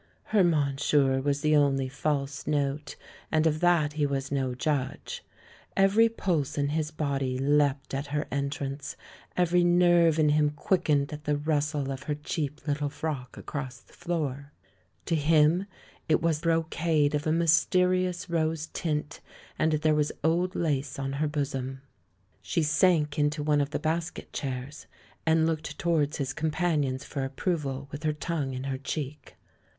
Her "monsieur" was the only false note, and of that he was no judge. Every pulse in his body leapt at her entrance; every nerve in him quickened at the rustle of her cheap little frock across the floor. To him it was brocade of a mys terious rose tint and there was old lace on her bosom. She sank into one of the basket chairs, and looked towards his companions for approval, with her tongue in her cheek.